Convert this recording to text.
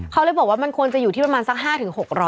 เขาเลยบอกว่ามันควรจะอยู่ที่ประมาณสัก๕๖๐๐